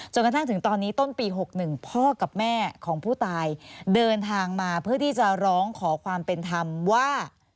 กระทั่งถึงตอนนี้ต้นปี๖๑พ่อกับแม่ของผู้ตายเดินทางมาเพื่อที่จะร้องขอความเป็นธรรมว่า